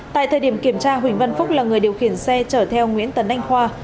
tại thời điểm kiểm tra huỳnh văn phúc là người điều khiển xe chở theo nguyễn tấn anh khoa